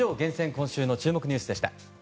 今週の注目ニュースでした。